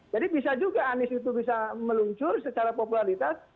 jadi bisa juga anis itu bisa meluncur secara popularitas